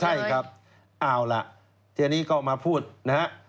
ใช่ครับเอาล่ะทีนี้ก็มาพูดนะฮะ